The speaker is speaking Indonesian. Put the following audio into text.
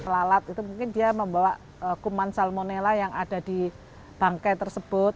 lalat itu mungkin dia membawa kuman salmonella yang ada di bangkai tersebut